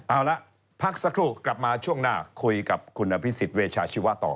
เอาละพักสักครู่กลับมาช่วงหน้าคุยกับคุณอภิษฎเวชาชีวะต่อ